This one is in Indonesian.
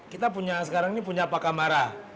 kita punya sekarang ini punya pakamara